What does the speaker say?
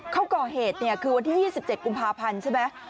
เขาก่อเหตุคือวันที่๒๗กุมภาพันธ์ใช่ไหม